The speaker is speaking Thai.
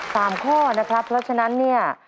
ข้อนะครับเพราะฉะนั้นเนี่ย